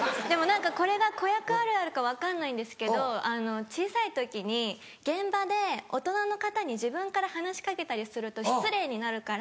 これが子役あるあるか分かんないんですけど小さい時に現場で大人の方に自分から話し掛けたりすると失礼になるから。